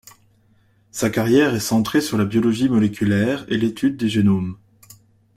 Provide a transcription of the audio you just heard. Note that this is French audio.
Sa carrière est centrée sur la biologie moléculaire et l’étude des génomes.